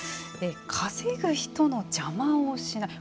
稼ぐ人の邪魔をしない。